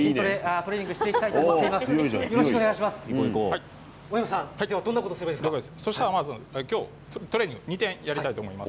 トレーニングを２つ、やりたいと思います。